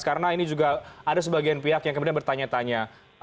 karena ini juga ada sebagian pihak yang kemudian bertanya tanya